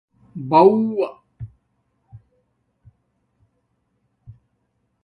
بݳݸ